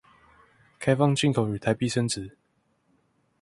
開放進口與台幣升值